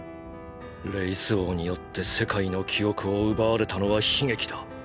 レイス王によって「世界の記憶」を奪われたのは悲劇だ。